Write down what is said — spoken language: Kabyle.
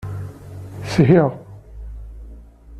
Shiɣ.